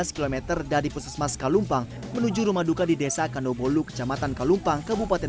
km dari puskesmas kalumpang menuju rumah duka di desa kandobolu kecamatan kalumpang kebupaten